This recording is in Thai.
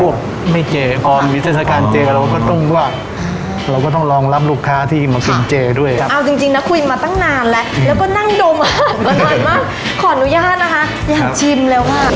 พวกไม่เจกรฟร์มวิทยาสตรีสถานการณ์เจเราก็ต้องว่าเราก็ต้องร้องรับลูกค้าที่มากินเจด้วยครับ